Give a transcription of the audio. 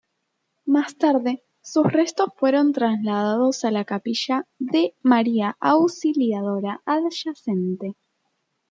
Más tarde, sus restos fueron trasladados a la capilla de María Auxiliadora adyacente.